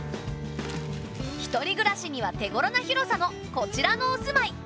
一人暮らしには手ごろな広さのこちらのお住まい。